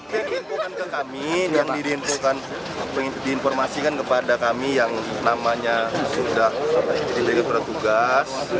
yang diinfo kan ke kami yang diinfo kan diinformasikan kepada kami yang namanya sudah diberi surat tugas